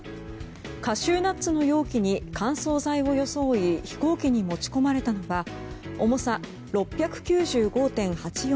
カシューナッツの容器に乾燥剤を装い飛行機に持ち込まれたのは重さ６９５．８４